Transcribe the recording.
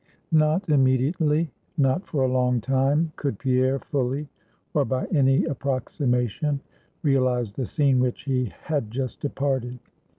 Not immediately, not for a long time, could Pierre fully, or by any approximation, realize the scene which he had just departed.